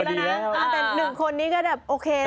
แต่หนึ่งคนนี้ก็แบบโอเคล่ะ